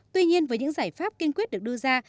tuy nhiên với những giải pháp kiên quyết được đưa ra